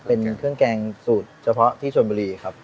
เป็นเครื่องแกงสูตรเฉพาะที่ชนบุรีครับ